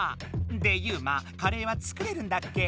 でユウマカレーは作れるんだっけ？